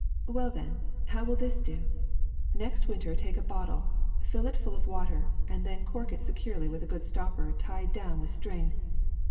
Well, then, how will this do ? Next win ter take a bottle, fill it full of water, and then cork it securely with a good stopper tied down with string.